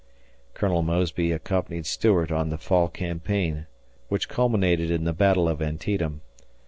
[Colonel Mosby accompanied Stuart on the fall campaign which culminated in the battle of Antietam.